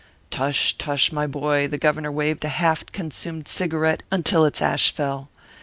"Tush, tush, my boy!" The Governor waved a half consumed cigarette until its ash fell.